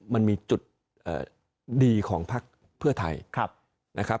มันมีจุดดีของพักเพื่อไทยนะครับ